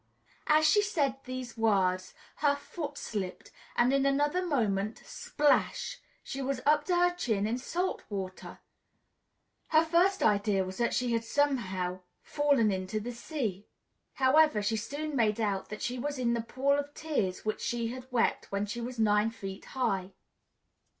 As she said these words, her foot slipped, and in another moment, splash! she was up to her chin in salt water. Her first idea was that she had somehow fallen into the sea. However, she soon made out that she was in the pool of tears which she had wept when she was nine feet high.